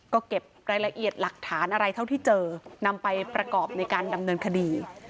ก็เก็บรายละเอียดหลักฐานอะไรเท่าที่เจอนำไปประกอบในการดำเนินคดี